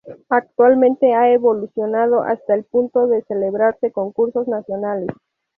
Actualmente ha evolucionado hasta el punto de celebrarse concursos nacionales.